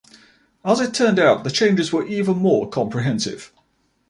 As it turned out, the changes were even more comprehensive.